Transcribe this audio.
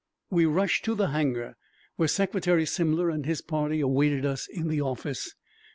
We rushed to the hangar, where Secretary Simler and his party awaited us in the office.